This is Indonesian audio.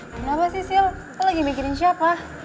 kenapa sih sil lo lagi mikirin siapa